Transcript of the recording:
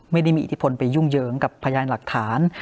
ไม่ได้มีอิทธิพลไปยุ่งเหยิงกับพยานหลักฐาน